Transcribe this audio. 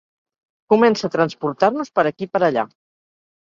Comença a transportar-nos per aquí per allà.